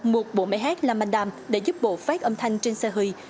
một bộ máy hát lama dam đã giúp bộ phát âm thanh trên xe hơi